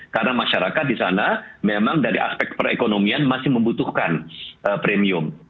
karena masyarakat di sana memang dari aspek perekonomian masih membutuhkan premium